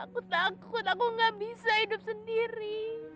aku takut aku gak bisa hidup sendiri